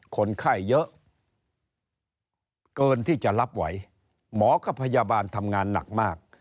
คนไข้เยอะเกินที่จะรับไหวหมอกับพยาบาลทำงานหนักมาก